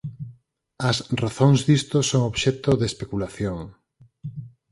As razóns disto son obxecto de especulación.